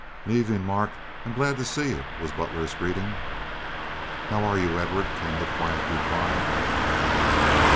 "Av'nin', Mark, I'm glad to see you," was Butler's greeting. "How are you, Edward?" came the quiet reply.